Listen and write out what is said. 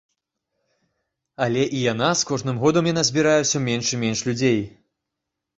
Але і яна з кожным годам яна збірае ўсё менш і менш людзей.